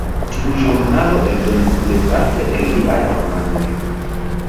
Tiu ĵurnalo eldonis plejparte el liaj romanoj.